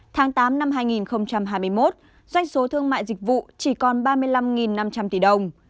tháng tám năm hai nghìn hai mươi một doanh số thương mại dịch vụ chỉ còn ba mươi năm năm trăm linh tỷ đồng